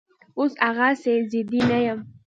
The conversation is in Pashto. اوس هغسې ضدي نه یم